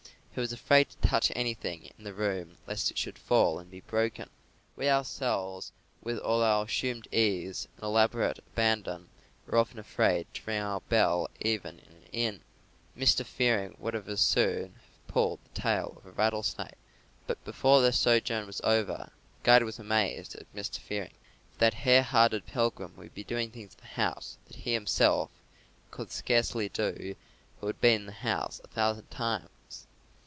He was afraid to touch anything in the room lest it should fall and be broken. We ourselves, with all our assumed ease and elaborate abandon, are often afraid to ring our bell even in an inn. Mr. Fearing would as soon have pulled the tail of a rattlesnake. But before their sojourn was over, the Guide was amazed at Mr. Fearing, for that hare hearted pilgrim would be doing things in the house that he himself would scarcely do who had been in the house a thousand times.